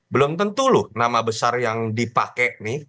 belum tentu loh nama besar yang dipakai nih